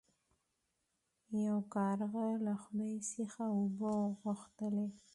یو کارغه له خدای څخه اوبه وغوښتلې.